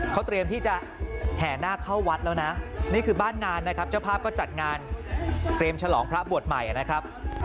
เขาเตรียมที่จะแห่นาคเข้าวัดแล้วนะนี่คือบ้านงานนะครับเจ้าภาพก็จัดงานเตรียมฉลองพระบวชใหม่นะครับ